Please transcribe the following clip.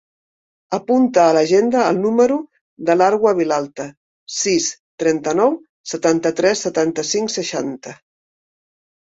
Apunta a l'agenda el número de l'Arwa Vilalta: sis, trenta-nou, setanta-tres, setanta-cinc, seixanta.